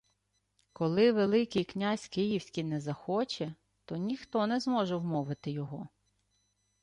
— Коли Великий князь київський не захоче, то ніхто не зможе вмовити його.